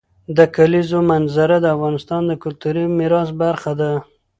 د کلیزو منظره د افغانستان د کلتوري میراث برخه ده.